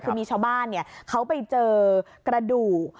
คุณมีชาวบ้านเนี่ยเขาไปเจอกระดูก